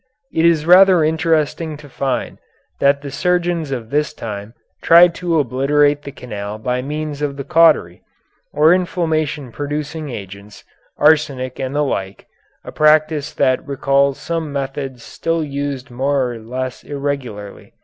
It is rather interesting to find that the surgeons of this time tried to obliterate the canal by means of the cautery, or inflammation producing agents, arsenic and the like, a practice that recalls some methods still used more or less irregularly.